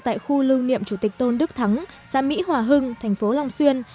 tại khu lưu niệm chủ tịch tôn đức thắng xã mỹ hòa hưng thành phố long xuyên